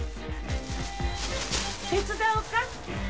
手伝おうか？